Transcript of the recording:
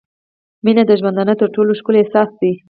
• مینه د ژوندانه تر ټولو ښکلی احساس دی.